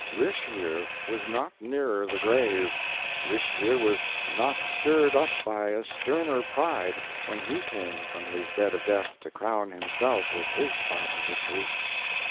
Richelieu was not nearer the grave, Richelieu was not stirred up by a sterner pride, when he came from his bed of death to crown himself with his final victory.